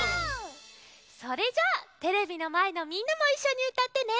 それじゃあテレビのまえのみんなもいっしょにうたってね。